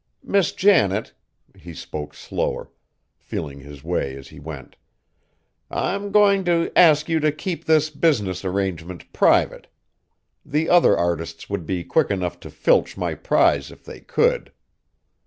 Miss Janet," he spoke slower, feeling his way as he went, "I'm going to ask you to keep this business arrangement private. The other artists would be quick enough to filch my prize if they could."